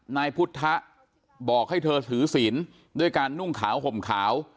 นายพุทธบอกให้เธอถือศีลด้วยการนุ่งขาวห่มขาว